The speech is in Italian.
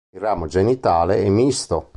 Il ramo genitale è misto.